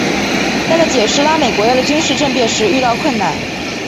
但在解释拉美国家的军事政变时遇到困难。